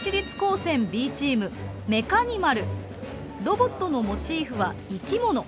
ロボットのモチーフは生き物。